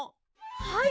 はい！